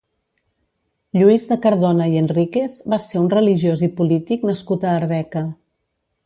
Lluís de Cardona i Enríquez va ser un religiós i polític nascut a Arbeca.